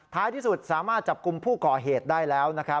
ที่สุดสามารถจับกลุ่มผู้ก่อเหตุได้แล้ว